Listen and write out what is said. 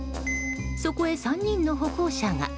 そこへ、３人の歩行者が。